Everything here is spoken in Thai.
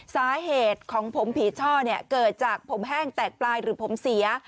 สาเหตุของผมผีช่อเนี่ยเกิดจากผมแห้งแตกปลายหรือผมเสีย